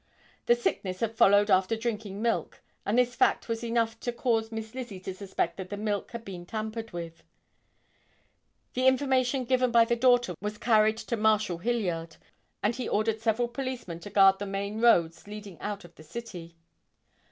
The sickness had followed after drinking milk, and this fact was enough to cause Miss Lizzie to suspect that the milk had been tampered with. The information given by the daughter was carried to Marshal Hilliard and he ordered several policeman to guard the main roads leading out of the city.